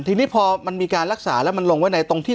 ทีนี้พอมันมีการรักษาแล้วมันลงไว้ในตรงที่